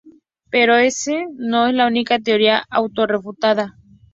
Pero S no es la única teoría auto refutada.